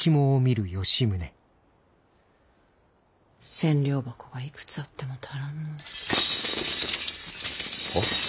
千両箱がいくつあっても足らんの。は？